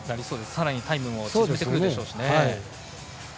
さらにタイムを縮めてくるでしょうしね。